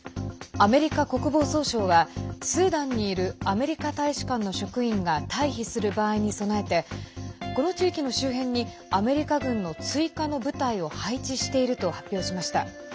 アメリカ国防総省はスーダンにいるアメリカ大使館の職員が退避する場合に備えてこの地域の周辺にアメリカ軍の追加の部隊を配置していると発表しました。